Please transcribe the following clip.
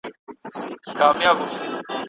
د علم بهبود د حکومتي اصولو پلي کولو سره مرسته کوي.